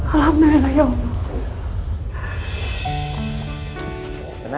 alhamdulillah ya allah